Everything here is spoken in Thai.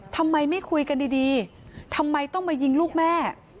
ทำไมไม่คุยกันดีทำไมต้องมายิงลูกแม่